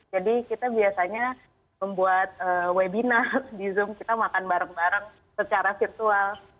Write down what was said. jadi kita biasanya membuat webinar di zoom kita makan bareng bareng secara virtual